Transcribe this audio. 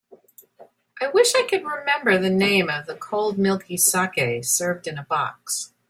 I wish I could remember the name of the cold milky saké served in a box.